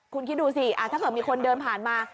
คุณคิดดูสิถ้าเกิดมีคนเดินผ่านมา